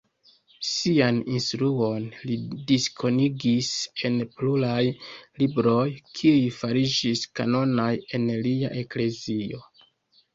Sian instruon li diskonigis en pluraj libroj, kiuj fariĝis kanonaj en lia eklezio.